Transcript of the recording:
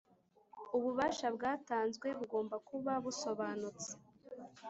ububasha bwatanzwe bugomba kuba busobanutse